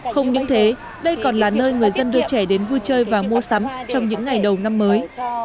không những thế đây còn là nơi người dân đưa trẻ đến vui chơi và mua sắm trong những ngày đầu năm mới